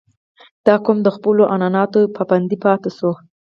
• دا قوم د خپلو عنعناتو پابند پاتې شوی.